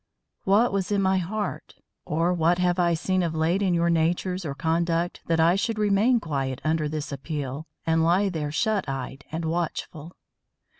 What was in my heart, or what have I seen of late in your natures or conduct, that I should remain quiet under this appeal and lie there shut eyed and watchful?